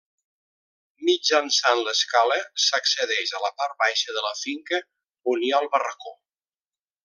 Mitjançant l'escala s'accedeix a la part baixa de la finca on hi ha el barracó.